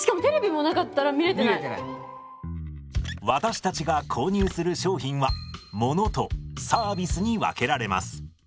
私たちが購入する商品はものとサービスに分けられます。